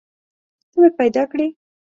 ته مې پیدا کړي